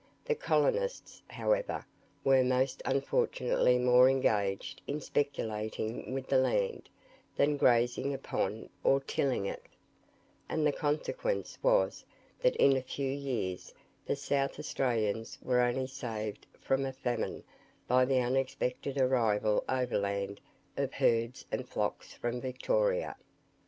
The colonists, however, were most unfortunately more engaged in speculating with the land, than grazing upon or tilling it; and the consequence was, that in a few years the South Australians were only saved from a famine by the unexpected arrival overland of herds and flocks from Victoria.